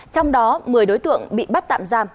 trong đó một mươi đối tượng bị bắt tạm giam